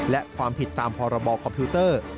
และความผิดตามพรบคอมพิวเตอร์